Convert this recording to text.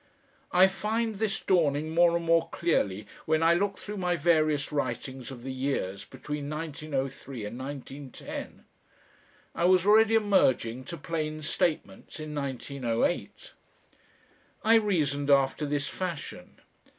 I find this dawning more and more clearly when I look through my various writings of the years between 1903 and 1910. I was already emerging to plain statements in 1908. I reasoned after this fashion.